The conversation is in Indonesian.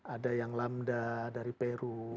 ada yang lamda dari peru